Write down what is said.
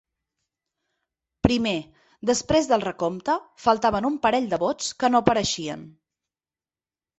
Primer: després del recompte, faltaven un parell de vots que no apareixien.